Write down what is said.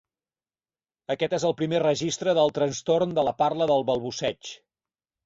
Aquest és el primer registre del trastorn de la parla del balbuceig.